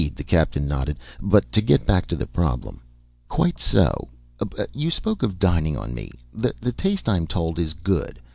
The Captain nodded. "But to get back to the problem " "Quite so. You spoke of dining on me. The taste, I am told, is good.